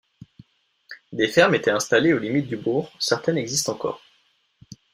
Des fermes étaient installées aux limites du bourg, certaines existent encore.